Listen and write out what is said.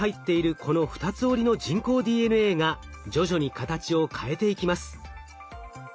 この２つ折りの人工ＤＮＡが徐々に形を変えていきます。